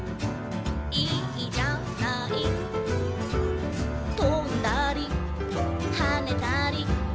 「いいじゃない」「とんだりはねたり」